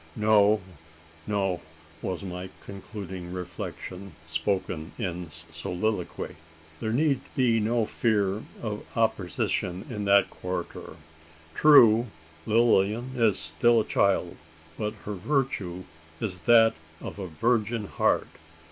"No no," was my concluding reflection, spoken in soliloquy, "there need be no fear of opposition in that quarter. True, Lilian is still a child; but her virtue is that of a virgin heart.